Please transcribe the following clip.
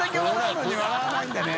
里笑わないんだね